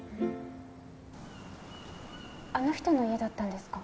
あの人の家だったんですか？